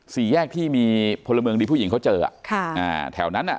สี่แยกที่มีพลเมืองดีผู้หญิงเขาเจออ่ะค่ะอ่าแถวนั้นอ่ะ